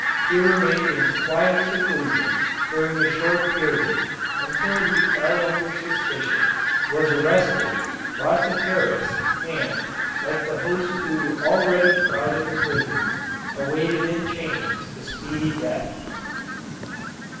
He remained in quiet seclusion during a short period, until he fell under suspicion, was arrested, brought to Paris, and, like the host who already crowded the prisons, awaited in chains a speedy death.